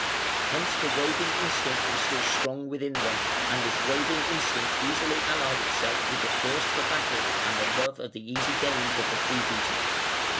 Hence the roving instinct was still strong within them, and this roving instinct easily allied itself with the thirst for battle and the love of the easy gains of the freebooter.